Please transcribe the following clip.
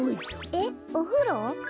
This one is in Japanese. えっおふろ？